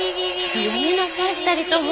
ちょっとやめなさい２人とも。